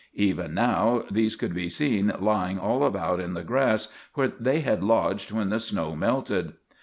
Even now these could be seen lying all about in the grass where they had lodged when the snow melted.